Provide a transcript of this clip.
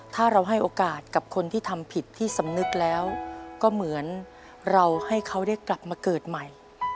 ถ้าเราให้โอกาสกับคนที่ทำผิดที่สำนึกแล้วก็เหมือนเราให้เขาได้กลับมาเกิดใหม่